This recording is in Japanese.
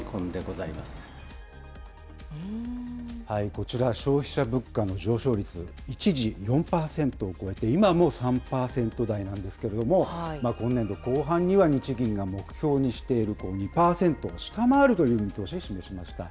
こちら、消費者物価の上昇率、一時４％を超えて、今もう３％台なんですけれども、今年度後半には、日銀が目標にしている２％を下回るという見通しを示しました。